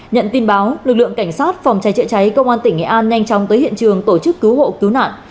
nhận tin báo lực lượng cảnh sát phòng cháy chữa cháy công an tỉnh nghệ an nhanh chóng tới hiện trường tổ chức cứu hộ cứu nạn